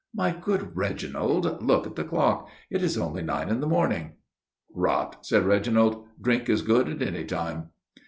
My good Reginald, look at the clock. It is only nine in the morning." "Rot!" said Reginald. "Drink is good at any time."